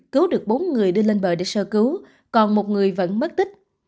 cứu được bốn người đưa lên bờ để sơ cứu còn một người vẫn mất tích